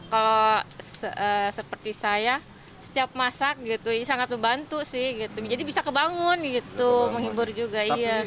kalau seperti saya setiap masak gitu sangat membantu sih jadi bisa kebangun gitu menghibur juga iya